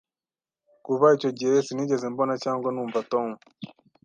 Kuva icyo gihe sinigeze mbona cyangwa numva Tom.